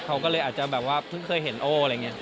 เขาก็เลยอาจจะแบบว่าเพิ่งเคยเห็นโอ้อะไรอย่างนี้